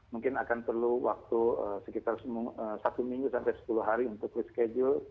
mungkin akan perlu waktu sekitar satu minggu sampai sepuluh hari untuk reschedule